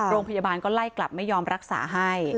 โรงพยาบาลก็ไล่กลับไม่ยอมรักษาให้